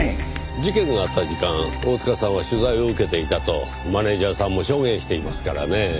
事件のあった時間大塚さんは取材を受けていたとマネジャーさんも証言していますからねぇ。